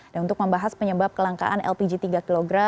dan untuk membahas penyebab kelangkaan lpg tiga kg